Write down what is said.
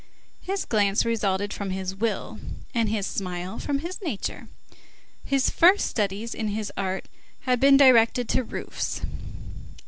His glance resulted from his will, and his smile from his nature. His first studies in his art had been directed to roofs.